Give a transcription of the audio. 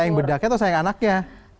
sayang bedaknya atau sayang anaknya